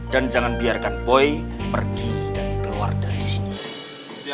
dan jangan biarkan boy pergi dan keluar dari sini